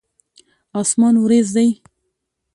اسمان وريځ دی.